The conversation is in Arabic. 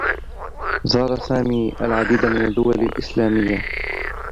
زار سامي العديد من الدّول الإسلاميّة.